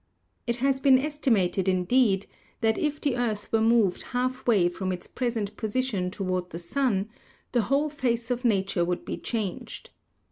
It has been estimated, indeed, that if the earth were moved half way from its present position toward the sun, the whole face of nature would be changed.